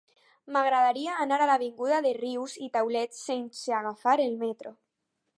M'agradaria anar a l'avinguda de Rius i Taulet sense agafar el metro.